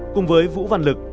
cùng với vũ văn lực